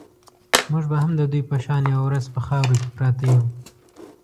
موږ به هم د دوی په شان یوه ورځ په خاورو کې پراته یو.